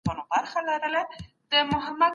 په نړۍ کي د بې عدالتیو مخه ونیسئ.